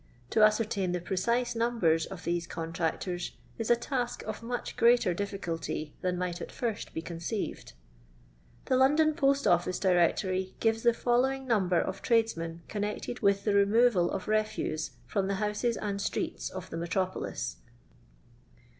To ascertain the precise numbers of these contractors is a task of much greater diffi culty than might at fint be conceived. The London Post Office Directory gives the following number of tradesmen connected with the removal of refuse from the houses and streets of the metropolis.